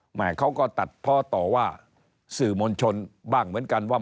แม่เขาก็ตัดเพาะต่อว่าสื่อมวลชนบ้างเหมือนกันว่า